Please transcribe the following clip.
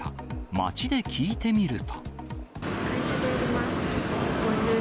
街で聞いてみると。